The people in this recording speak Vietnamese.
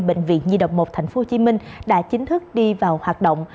bệnh viện nhi đồng một tp hcm đã chính thức đi vào hoạt động